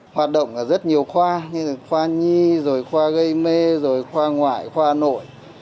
hoạt động ở rất nhiều khoa như là khoa nhi rồi khoa gây mê rồi khoa ngoại khoa nội